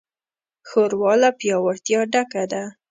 ښوروا له پیاوړتیا ډکه ده.